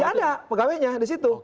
tidak ada pegawainya di situ